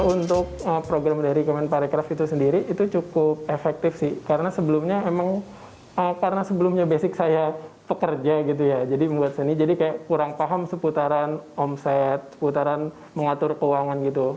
untuk program dari kemenparekraf itu sendiri itu cukup efektif sih karena sebelumnya emang karena sebelumnya basic saya pekerja gitu ya jadi membuat seni jadi kayak kurang paham seputaran omset seputaran mengatur keuangan gitu